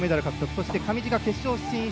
そして上地が決勝進出。